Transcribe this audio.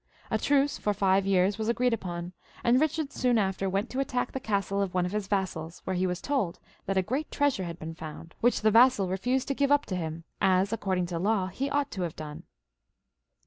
A truce for five years was agreed upon ; and Bichard soon after went to attack the castle of one of his vassals, where he was told that a great treasure had been found, which the vassal refused to give up to him, as, according to law, he ought to have done.